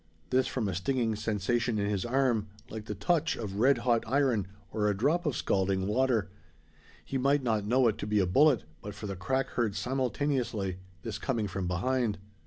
This, from a stinging sensation in his arm, like the touch of red hot iron, or a drop of scalding water. He might not know it to be a bullet, but for the crack heard simultaneously this coming from behind.